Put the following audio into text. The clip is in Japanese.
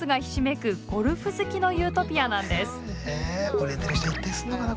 売れてる人行ったりするのかな